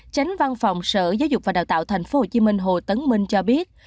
chánh văn phòng sở giáo dục và đào tạo thành phố hồ chí minh hồ tấn minh cho biết